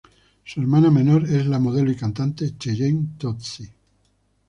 Su hermana menor es la modelo y cantante Cheyenne Tozzi.